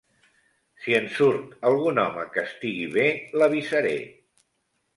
Si en surt algun home que estigui bé, l'avisaré.